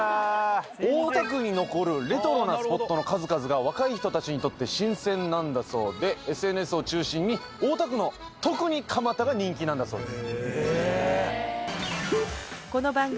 大田区に残るレトロなスポットの数々が若い人たちにとって新鮮なんだそうでＳＮＳを中心に大田区の特に蒲田が人気なんだそうです。